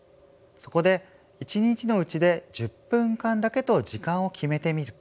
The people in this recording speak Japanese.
そこで一日のうちで１０分間だけと時間を決めてみる。